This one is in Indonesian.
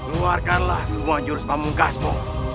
keluarkanlah semua jurus panggung gasmu